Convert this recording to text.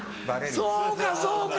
そうかそうか！